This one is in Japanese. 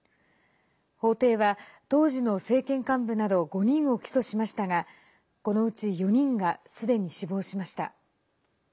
法廷は、当時の政権幹部など５人を起訴しましたがこのうち４人がすでに死亡しました。